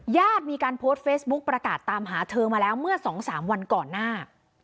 ญาติมีการโพสต์เฟซบุ๊คประกาศตามหาเธอมาแล้วเมื่อ๒๓วันก่อนหน้า